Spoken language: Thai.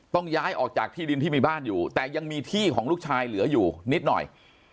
ต้องย้ายออกจากที่ดินที่มีบ้านอยู่แต่ยังมีที่ของลูกชายเหลืออยู่นิดหน่อย